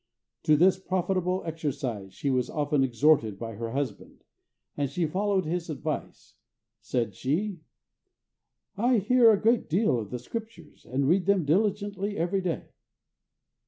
To this profitable exercise she was often exhorted by her husband, and she followed his advice. Said she, "I hear a great deal of the Scriptures, and read them diligently every day."